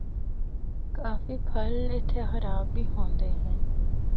کافی پھل اِتھا خراب بھی ہوندے ہن۔